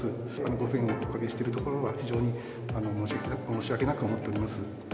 ご不便をおかけしているところは非常に申し訳なく思っております。